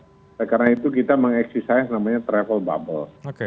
oleh karena itu kita mengexisai namanya travel bubble